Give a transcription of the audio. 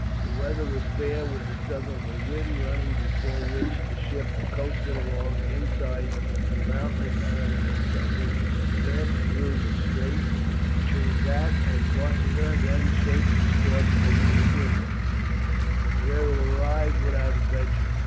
The weather was fair with a southerly wind, running before which the ship coasted along inside the mountainous isle of Sardinia, passed through the straits between that and Corsica, then shaped its course for Massilia, where it arrived without adventure.